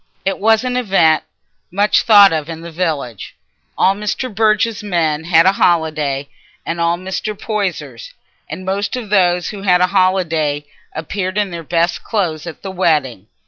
It was an event much thought of in the village. All Mr. Burge's men had a holiday, and all Mr. Poyser's, and most of those who had a holiday appeared in their best clothes at the wedding.